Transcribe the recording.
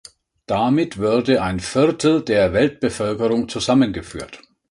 Damit würde ein Viertel der Weltbevölkerung zusammengeführt.